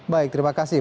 baik terima kasih